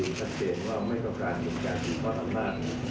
ก็เตรียมว่าไม่ต้องการหยุดการศึกษาตำนาน